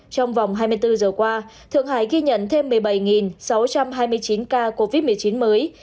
trong vòng hai mươi bốn giờ qua thượng hải ghi nhận thêm một mươi bảy sáu trăm hai mươi chín ca covid một mươi chín mới